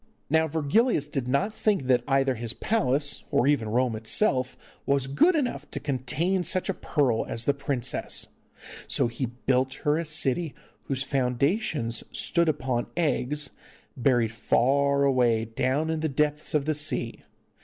Now Virgilius did not think that either his palace, or even Rome itself, was good enough to contain such a pearl as the princess, so he built her a city whose foundations stood upon eggs, buried far away down in the depths of the sea.